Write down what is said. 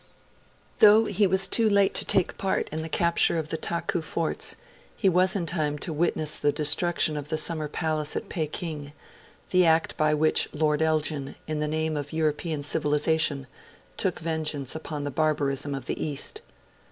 Though he was too late to take part in the capture of the Taku Forts, he was in time to witness the destruction of the Summer Palace at Peking the act by which Lord Elgin, in the name of European civilisation, took vengeance upon the barbarism of the East.